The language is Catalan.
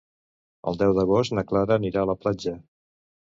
El deu d'agost na Clara anirà a la platja.